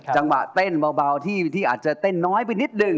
จังหวะเต้นเบาที่อาจจะเต้นน้อยไปนิดหนึ่ง